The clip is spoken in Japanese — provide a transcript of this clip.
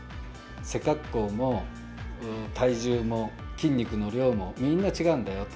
背格好も、体重も、筋肉の量もみんな違うんだよと。